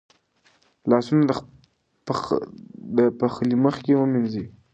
لاسونه د پخلي مخکې ومینځئ.